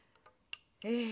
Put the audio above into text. ええ。